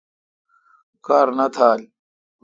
کار نہ تھال۔